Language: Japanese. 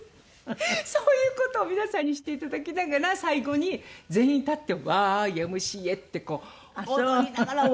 そういう事を皆さんにしていただきながら最後に全員立って「Ｙ．Ｍ．Ｃ．Ａ．」ってこう踊りながら終わる。